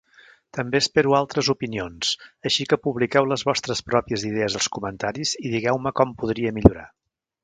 També espero altres opinions, així que publiqueu les vostres pròpies idees als comentaris i digueu-me com podria millorar!